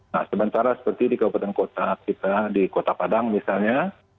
nah sementara seperti di kabupaten kota kita di kota padang misalnya